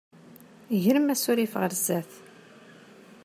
Grem asurif ɣer sdat.